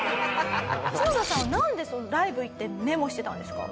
シノダさんはなんでライブ行ってメモしてたんですか？